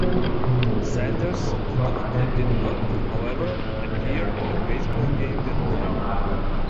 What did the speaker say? Sanders ultimately did not, however, appear in the baseball game that night.